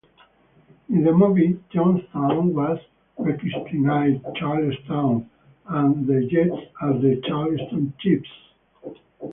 In the movie, Johnstown was rechristened "Charlestown" and the Jets as the Charlestown Chiefs.